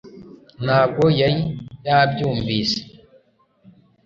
nta bwo yari yabyumvise